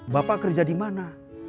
bapak kerja dimana